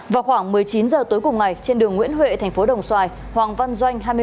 vào khoảng một mươi chín h tối cùng ngày trên đường nguyễn huệ tp đồng xoài hoàng văn doanh